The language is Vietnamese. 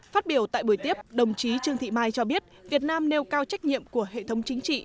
phát biểu tại buổi tiếp đồng chí trương thị mai cho biết việt nam nêu cao trách nhiệm của hệ thống chính trị